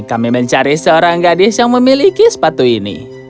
kami mencari seorang gadis yang memiliki sepatu ini